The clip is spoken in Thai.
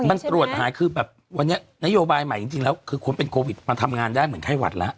มันตรวจหายคือแบบวันนี้นโยบายใหม่จริงแล้วคือคนเป็นโควิดมันทำงานได้เหมือนไข้หวัดแล้ว